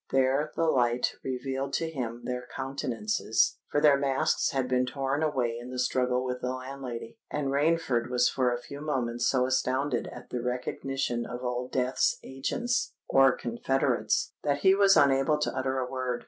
There the light revealed to him their countenances—for their masks had been torn away in the struggle with the landlady; and Rainford was for a few moments so astounded at the recognition of Old Death's agents or confederates, that he was unable to utter a word.